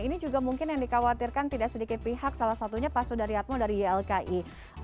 ini juga mungkin yang dikhawatirkan tidak sedikit pihak salah satunya pak sudaryatmo dari ylki